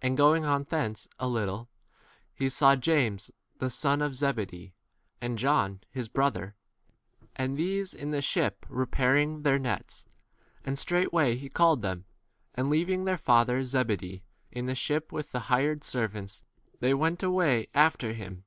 And going on thence a little, he saw James the [son] of Zebedee, and John his brother, and these in the ship repairing 20 their nets : and straightway he called them; and leaving their father Zebedee in the ship with the hired [servants] they went away after him.